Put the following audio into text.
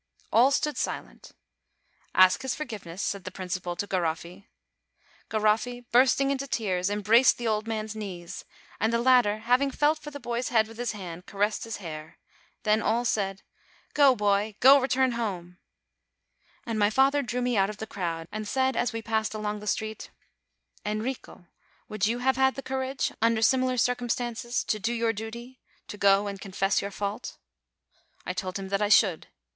All stood silent. "Ask his forgiveness," said the principal to Garofrl. Garofrl, bursting into tears, embraced the old man's knees, and the latter, having felt for the boy's head with his hand, caressed his hair. Then all said : "Go, boy! go, return home." And my father drew me out of the crowd, and said as we passed along the street, "Enrico, would you have THE SCHOOLMISTRESSES 67 had the courage, under similar circumstances, to do your duty, to go and confess your fault? 1 " I told him that I should.